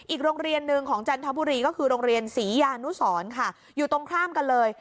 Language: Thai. อีกโรงเรียนหนึ่งของจันทบุรีก็คือโรงเรียนศรียานุสรค่ะอยู่ตรงข้ามกันเลย